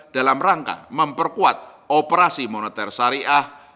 dalam rangka memperkuat operasi moneter syariah